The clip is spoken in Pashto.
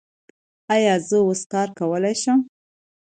ایا زه اوس کار کولی شم؟